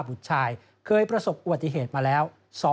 ผู้ชายเคยประสบอวติเหตุมาแล้ว